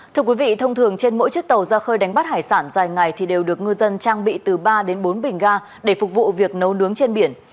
thưa quý vị thông thường trên mỗi chiếc tàu ra khơi đánh bắt hải sản dài ngày thì đều được ngư dân trang bị từ ba đến bốn bình ga để phục vụ việc nấu nướng trên biển